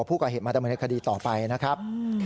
ผู้ก่อเหตุมาดำเนินคดีต่อไปนะครับ